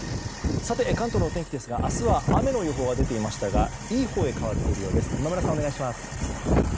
さて、関東のお天気ですが明日は雨の予報が出ていましたがいいほうへ変わっているようです。